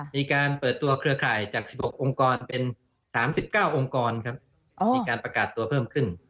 มีการเปิดตัวเครือข่ายจาก๑๖องค์กรเป็น๓๙องค์กรครับมีการประกาศตัวเพิ่มขึ้น